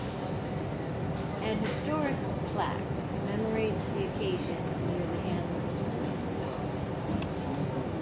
A historic plaque commemorates the occasion near the Hanlan's Point dock.